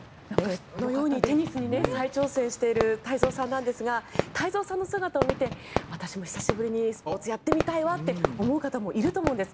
テニスに再挑戦している太蔵さんなんですが太蔵さんの姿を見て私も久しぶりにスポーツをやってみたいわって思う方もいると思うんです。